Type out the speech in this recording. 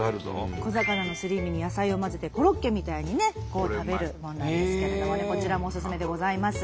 小魚のすり身に野菜を混ぜてコロッケみたいにね食べるもんなんですけれどもねこちらもオススメでございます。